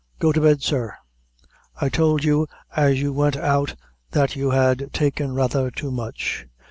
"Go to bed, sir; I tould you as you went out that you had taken rather too much.